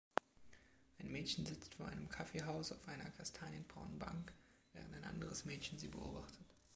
Ein Mädchen sitzt vor einem Kaffeehaus auf einer kastanienbraunen Bank, während ein anderes Mädchen sie beobachtet.